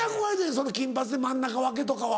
その金髪で真ん中分けとかは。